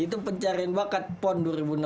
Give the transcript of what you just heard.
itu pencarian bakat pon dua ribu enam belas